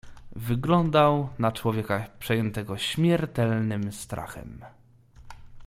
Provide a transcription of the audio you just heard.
"Wyglądał na człowieka, przejętego śmiertelnym strachem."